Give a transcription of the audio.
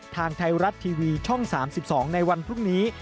ทางไทยรัฐทีวีช่อง๓๒ในวันพรุ่งนี้